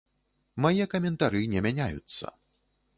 Мае каментары не мяняюцца!